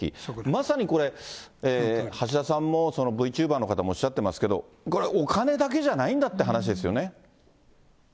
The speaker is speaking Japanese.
まさにこれ、橋田さんもＶチューバーの方もおっしゃってますけど、これ、お金だけじゃないんだって話ですよね。